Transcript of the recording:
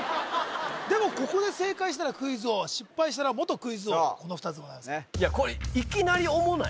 でもここで正解したらクイズ王失敗したら元クイズ王この２つでございます